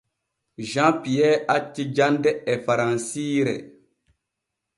Jean Pierre acci jande e faransiire.